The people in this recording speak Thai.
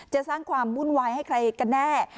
จะสร้างความวุ่นวายให้ใครกันแน่